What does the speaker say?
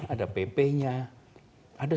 ada pp nya ada